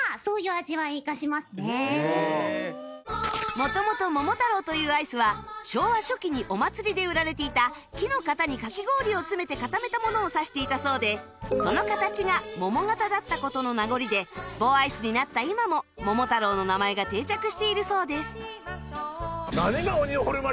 元々モモタロウというアイスは昭和初期にお祭りで売られていた木の型にかき氷を詰めて固めたものを指していたそうでその形がもも形だった事の名残で棒アイスになった今ももも太郎の名前が定着しているそうです